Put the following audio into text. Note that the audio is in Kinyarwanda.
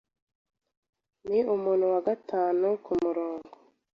Ni umuntu wa gatanu kumurongo.